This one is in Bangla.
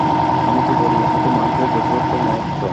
আমি তো বলি ইহাতেই মানুষের যথার্থ মহত্ত্ব।